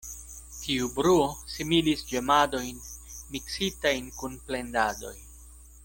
Tiu bruo similis ĝemadojn miksitajn kun plendadoj.